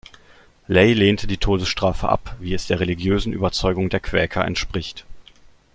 Lay lehnte die Todesstrafe ab, wie es der religiösen Überzeugung der Quäker entspricht.